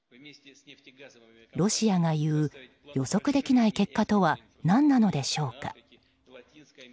ロシアが言う予測できない結果とは何なのでしょうか。